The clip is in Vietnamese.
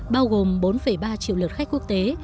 bao gồm bốn ba triệu lượt khách quốc tế